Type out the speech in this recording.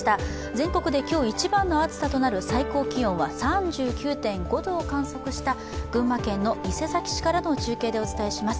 全国で今日一番の暑さとなる最高気温は３９．５度を観測した群馬県の伊勢崎市からの中継でお伝えします。